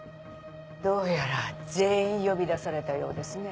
どうやら全員呼び出されたようですね。